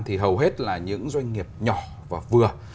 thì hầu hết là những doanh nghiệp nhỏ và vừa